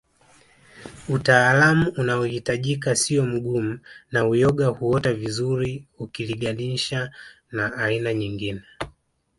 Utaalamu unaohitajika siyo mgumu na uyoga huota vizuri ukiliganisha na aina nyingine